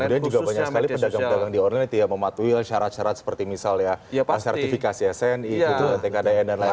dan kemudian juga banyak sekali pedagang pedagang di online itu ya mematuhi syarat syarat seperti misalnya ya sertifikasi sni tkn dan lain lain